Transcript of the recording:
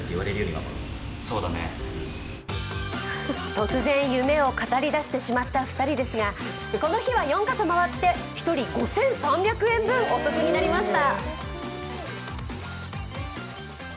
突然、夢を語り出してしまった２人でしたがこの日は４カ所回って１人５３００円分お得になりました。